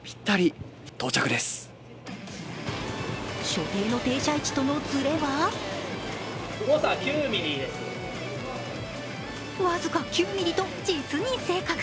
所定の停車位置とのずれは僅か９ｍｍと実に正確。